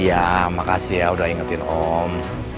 iya makasih ya udah ingetin om